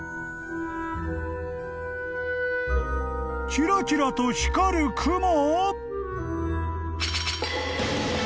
［キラキラと光るクモ！？］